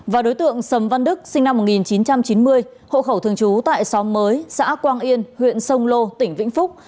và đối tượng sầm văn đức sinh năm một nghìn chín trăm chín mươi hộ khẩu thường trú tại xóm mới xã quang yên huyện sông lô tỉnh vĩnh phúc